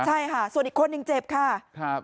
ใช่ค่ะส่วนอีกคนหนึ่งเจ็บค่ะ